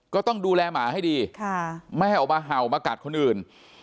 ก็ต้องดูแลหมาให้ดีไม่ให้ออกมาเห่ามากัดคนอื่น